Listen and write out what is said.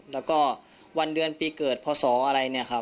แล้วก็วันเดือนปีเกิดพอสออะไร